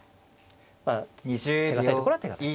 まあ手堅いところは手堅い。